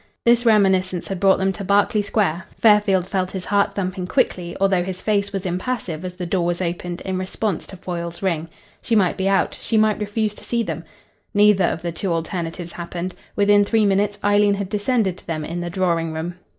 This reminiscence had brought them to Berkeley Square. Fairfield felt his heart thumping quickly although his face was impassive as the door was opened in response to Foyle's ring. She might be out; she might refuse to see them. Neither of the two alternatives happened. Within three minutes Eileen had descended to them in the drawing room.